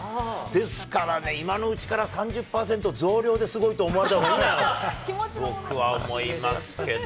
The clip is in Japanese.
ですからね、今のうちから３０％増量ですごいと思われたほうがいいんじゃないのと、僕は思いますけど。